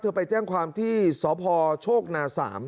ไปแจ้งความที่สพโชคนา๓